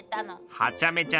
はちゃめちゃな。